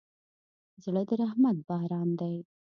زړه د رحمت باران دی.